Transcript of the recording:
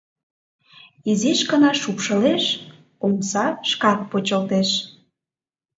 Изиш гына шупшылеш — омса шкак почылтеш.